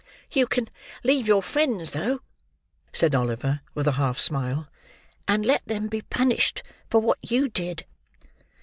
"You can leave your friends, though," said Oliver with a half smile; "and let them be punished for what you did."